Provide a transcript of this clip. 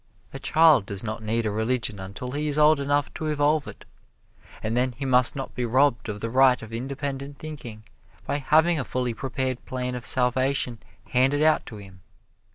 A child does not need a religion until he is old enough to evolve it, and then he must not be robbed of the right of independent thinking by having a fully prepared plan of salvation handed out to him.